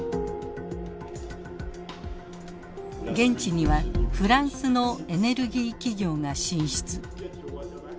現地にはフランスのエネルギー企業が進出。